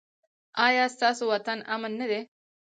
ایا ستاسو وطن امن نه دی؟